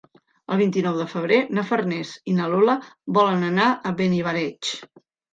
El vint-i-nou de febrer na Farners i na Lola volen anar a Beniarbeig.